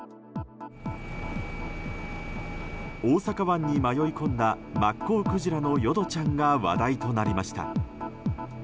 大阪湾に迷い込んだマッコウクジラの淀ちゃんが話題となりました。